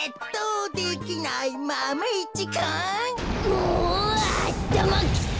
もうあたまきた！